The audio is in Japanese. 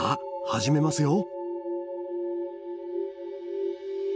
始めますよ。